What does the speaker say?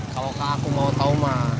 kalau kak aku mau tahu mah